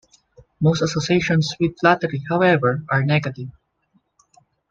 Most associations with flattery, however, are negative.